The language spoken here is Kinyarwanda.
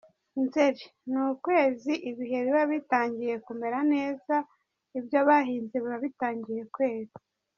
Nzeri : Ni ukwezi ibihe biba bitangiye kumera neza, ibyo bahinze biba bitangiye kwera.